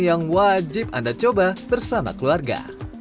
yang wajib anda coba bersama keluarga